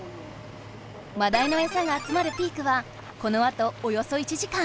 マダイのエサが集まるピークはこのあとおよそ１時間。